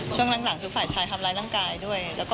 ช่วงหลังคือฝ่ายชายทำร้ายร่างกายด้วย